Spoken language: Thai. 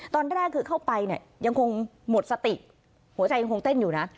ตอนแรกคือเข้าไปเนี่ยยังคงหมดสติหัวใจยังคงเต้นอยู่นะ